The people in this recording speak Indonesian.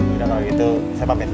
udah kalau gitu saya pamit